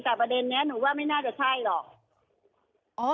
แต่ประเด็นนี้หนูว่าไม่น่าจะใช่หรอก